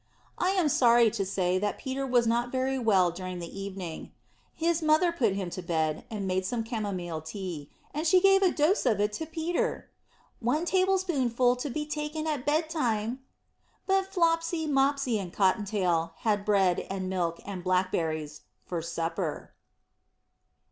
I am sorry to say that Peter was not very well during the evening. His mother put him to bed, and made some camomile tea; and she gave a dose of it to Peter! "One tablespoonful to be taken at bed time." But Flopsy, Mopsy, and Cotton tail had bread and milk and blackberries, for supper.